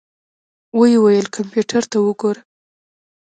ويې ويل کمپيوټر ته وګوره.